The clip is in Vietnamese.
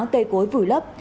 cây cối vùi lấp